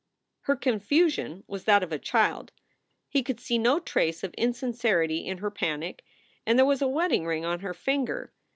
Her confusion was that of a child. He could see no trace of insincerity in her panic and there was a wedding ring on her finger.